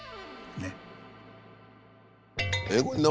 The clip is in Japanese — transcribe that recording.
ねっ？